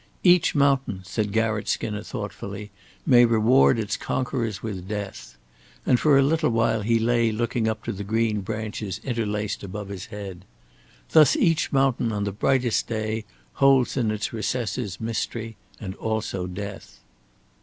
"Each mountain," said Garratt Skinner, thoughtfully, "may reward its conquerors with death"; and for a little while he lay looking up to the green branches interlaced above his head. "Thus each mountain on the brightest day holds in its recesses mystery, and also death."